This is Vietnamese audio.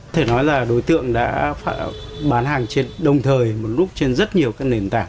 thể nói là đối tượng đã bán hàng đồng thời một lúc trên rất nhiều nền tảng